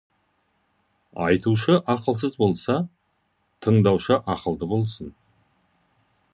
Айтушы ақылсыз болса, тыңдаушы ақылды болсын.